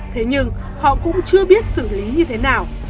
thế nhưng họ cũng chưa biết xử lý như thế nào